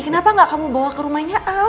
kenapa enggak kamu bawa ke rumahnya al